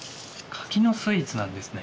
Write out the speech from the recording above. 柿のスイーツなんですね